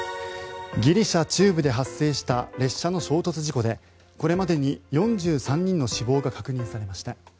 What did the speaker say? ギリシャ中部で発生した列車の衝突事故でこれまでに４３人の死亡が確認されました。